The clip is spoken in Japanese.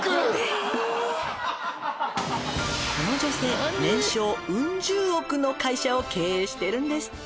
「この女性年商ウン十億の会社を経営してるんですって」